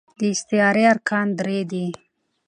د استعارې ارکان درې دي.